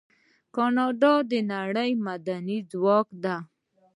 کاناډا د نړۍ معدني ځواک دی.